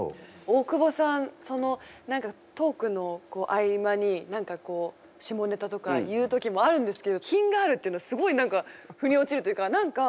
大久保さん何かトークの合間に下ネタとか言う時もあるんですけど品があるっていうのすごい何か腑に落ちるというか何か。